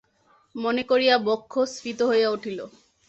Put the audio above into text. মনে করিয়া বক্ষ স্ফীত হইয়া উঠিল।